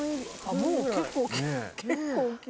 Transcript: もう結構大きい。